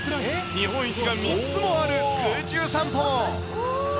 日本一が３つもある空中散歩も。